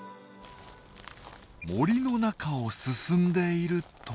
森の中を進んでいると。